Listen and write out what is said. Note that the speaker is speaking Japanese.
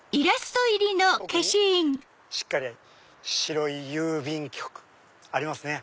奥にしっかり白井郵便局ありますね。